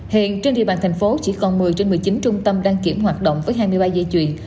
hiện trên địa bàn thành phố chỉ còn một mươi trên một mươi chín trung tâm đăng kiểm hoạt động với hai mươi ba dây chuyền